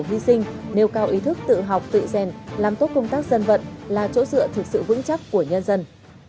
hy sinh nêu cao ý thức tự học tự rèn làm tốt công tác dân vận là chỗ dựa thực sự vững chắc của nhân dân